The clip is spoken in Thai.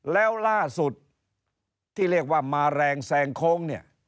แล้วล่าสุดที่เรียกว่ามาแรงแซงโค้งเนี่ย